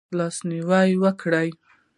لاس نیوی وکړئ